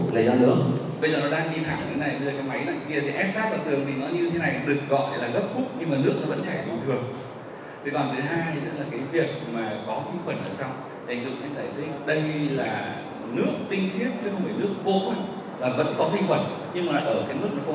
đây là nước tinh thiết chứ không phải nước cố là vẫn có khí khuẩn nhưng mà ở cái mức nó không hành được